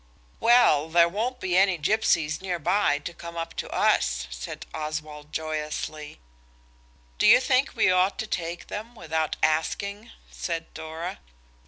"Well, there won't be any gipsies near by to come up to us," said Oswald joyously. "Do you think we ought to take them, without asking?" said Dora.